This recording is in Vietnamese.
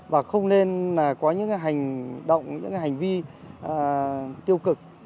và không nên có những hành động những hành vi tiêu cực